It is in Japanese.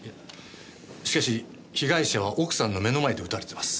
しかし被害者は奥さんの目の前で撃たれてます。